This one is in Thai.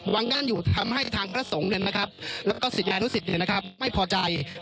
วางกั้นอยู่ทำให้ทางพระสงฆ์และสิทธิ์ยานุสิทธิ์ไม่พอใจ